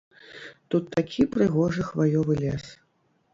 Тут такі прыгожы хваёвы лес.